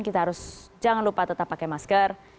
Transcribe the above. kita harus jangan lupa tetap pakai masker